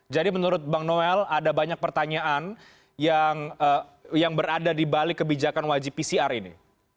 jadi menurut bang noel ada banyak pertanyaan yang berada di balik kebijakan wajib pcr ini